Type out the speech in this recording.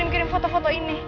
dan siapa blackberry